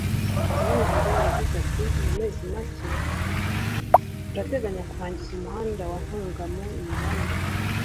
Kabonero yagize ati “Mu mezi make turateganya kurangiza umuhanda wa Ntungamo - Mirama